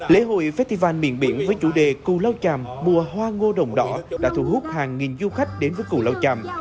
lễ hội festival miền biển với chủ đề cù lao tràm mùa hoa ngô đồng đỏ đã thu hút hàng nghìn du khách đến với cù lao chàm